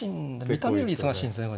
見た目より忙しいんですね